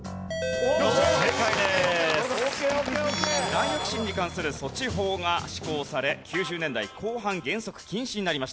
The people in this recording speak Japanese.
ダイオキシンに関する措置法が施行され９０年代後半原則禁止になりました。